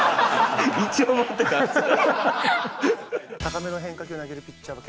一応持ってたんですよ。